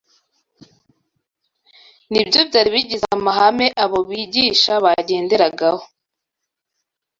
ni byo byari bigize amahame abo bigisha bagenderagaho.